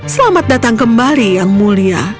selamat datang kembali yang mulia